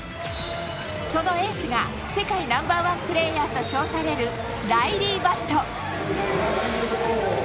そのエースが世界ナンバーワンプレーヤーと称されるライリー・バット。